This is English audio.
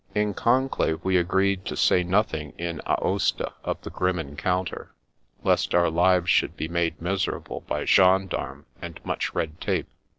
In con clave we agreed to say nothing in Aosta of the grim encounter, lest our lives should be made miserable by gendarmes and much red tape.